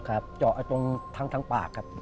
ครับเจาะตรงทางปากครับ